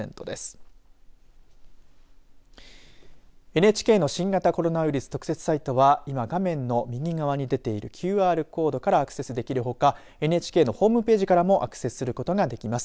ＮＨＫの新型コロナウイルス特設サイトは今、画面の右側に出ているＱＲコードからアクセスできるほかＮＨＫのホームページからもアクセスすることができます。